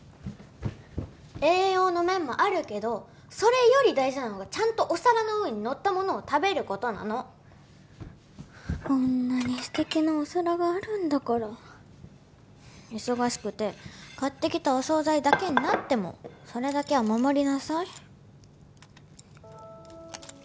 栄養の面もあるけどそれより大事なのがちゃんとお皿の上にのったものを食べることなのこんなに素敵なお皿があるんだから忙しくて買ってきたお総菜だけになってもそれだけは守りなさい